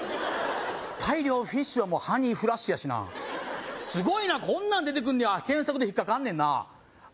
「大漁フィッシュ」はもう「ハニーフラッシュ！」やしなすごいなこんなん出てくんねや検索で引っ掛かんねんなあっ